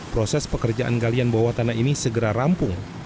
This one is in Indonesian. proses pekerjaan galian bawah tanah ini segera rampung